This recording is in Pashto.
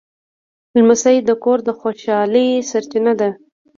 لمسی د کور د خوشحالۍ سرچینه ده.